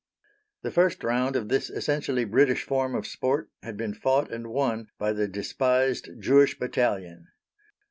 The first round of this essentially British form of sport had been fought and won by the despised Jewish Battalion!